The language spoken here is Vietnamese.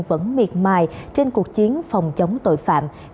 vẫn miệt mài trên cuộc chiến phòng chống tội phạm